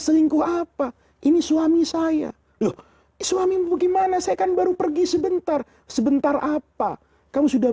selingkuh apa ini suami saya loh suamimu gimana saya kan baru pergi sebentar sebentar apa kamu sudah